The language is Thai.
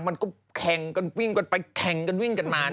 มันก็แข่งกันวิ่งกันไปแข่งกันวิ่งกันมา